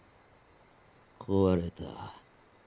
壊れた。